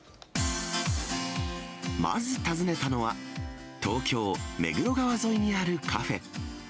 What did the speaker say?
まず訪ねたのは、東京・目黒川沿いにあるカフェ。